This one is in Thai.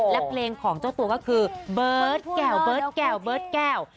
และเพลงของเจ้าตัวก็คือเบิร์ตแก่วเบิร์ตแก่วเบิร์ตแก้ว